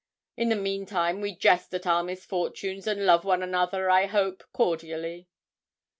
In the meantime we jest at our misfortunes, and love one another, I hope, cordially.'